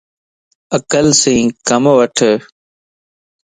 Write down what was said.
عقل سين ڪم وٺ